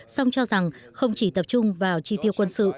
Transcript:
xong cho rằng không chỉ tập trung vào tri tiêu quân sự